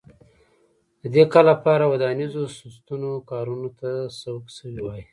د دې کار لپاره ودانیزو ستنو کارونو ته سوق شوي وای